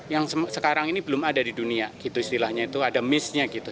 yang sekarang ini belum ada di dunia gitu istilahnya itu ada missnya gitu